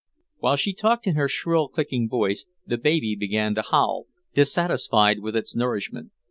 While she talked in her shrill, clicking voice, the baby began to howl, dissatisfied with its nourishment.